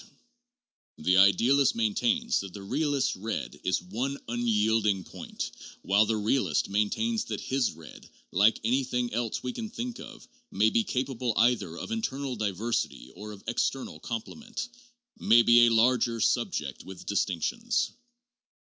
T The idealist maintains that the realist's red is 'one unyielding point,' while the realist maintains that his red, like anything else we can think of, may be capable either of internal diversity or of external comple ment, may be a larger subject with distinctions.